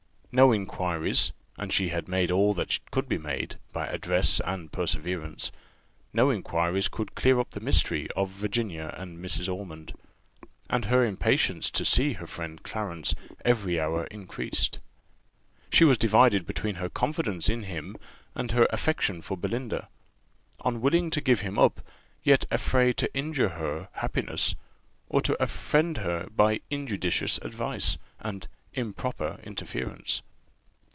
No inquiries and she had made all that could be made, by address and perseverance no inquiries could clear up the mystery of Virginia and Mrs. Ormond; and her impatience to see her friend Clarence every hour increased. She was divided between her confidence in him and her affection for Belinda; unwilling to give him up, yet afraid to injure her happiness, or to offend her, by injudicious advice, and improper interference.